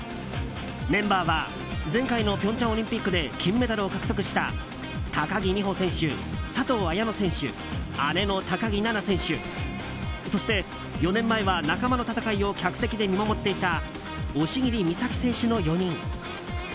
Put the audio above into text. メンバーは前回の平昌オリンピックで金メダルを獲得した高木美帆選手佐藤綾乃選手、姉の高木菜那選手そして、４年前は仲間の戦いを客席で見守っていた押切美沙紀選手の４人。